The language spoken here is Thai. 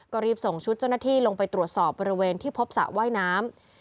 ก็รีบส่งชุดเจ้าหน้าที่ลงไปตรวจสอบบริเวณที่พบสระว่ายน้ำ